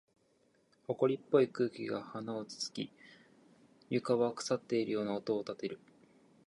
埃っぽい空気が鼻を突き、床は腐っているような音を立てる。